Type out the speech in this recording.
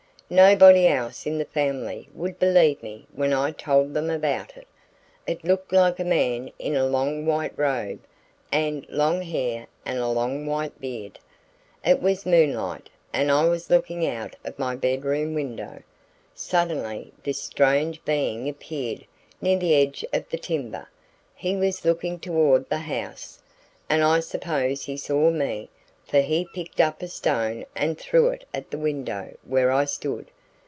"Nobody else in the family would believe me when I told them about it. It looked like a man in a long white robe and long hair and a long white beard. It was moonlight and I was looking out of my bedroom window. Suddenly this strange being appeared near the edge of the timber. He was looking toward the house, and I suppose he saw me, for he picked up a stone and threw it at the window where I stood.